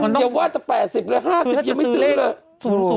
มันต้องยังว่าแต่๘๐หรือ๕๐ยังไม่ซื้อเลย